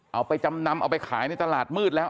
เอาไปจำนำเอาไปขายในตลาดมืดแล้ว